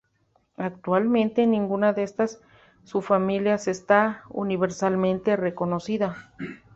Actualmente, ninguna de estas subfamilias está universalmente reconocida.